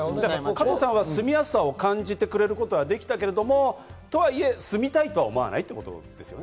加藤さんは住みやすさを感じることはできたけれども、住みたいと思わないということですよね？